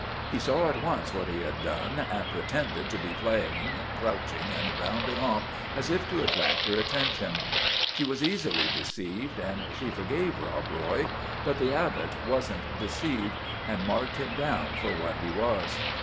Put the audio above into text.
He saw at once what he had done, and pretended to be playing, crouching and bounding off as if to attract her attention. She was easily deceived, and she forgave Rob Roy ; but The Abbot was n't deceived, and marked him down for what he was.